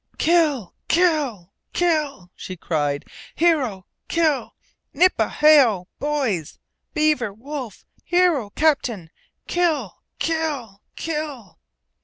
"KILL! KILL! KILL!" she cried. "Hero KILL! NIPA HAO, boys! Beaver Wolf Hero Captain KILL KILL KILL!"